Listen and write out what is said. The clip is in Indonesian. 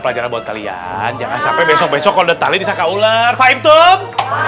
percaya buat kalian jangan sampai besok besok kondet alih disangka ular fahim tum